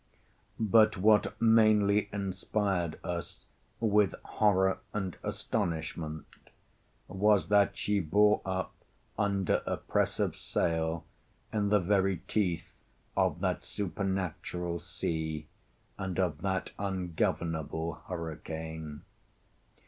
But what mainly inspired us with horror and astonishment, was that she bore up under a press of sail in the very teeth of that supernatural sea, and of that ungovernable hurricane.